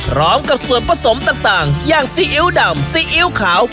พร้อมกับส่วนผสมต่างต่างอย่างซีอิ๊วดำซีอิ๊วขาว